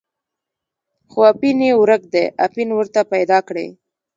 خو اپین یې ورک دی، اپین ورته پیدا کړئ.